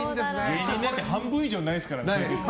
芸人半分以上ないですからね。